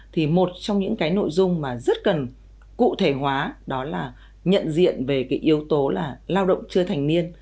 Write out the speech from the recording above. thì một trong những cái nội dung mà rất cần cụ thể hóa đó là nhận diện về cái yếu tố là lao động chưa thành niên